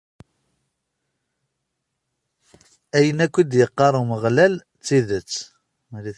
Ayen akk i d-iqqar Umeɣlal, d tidet.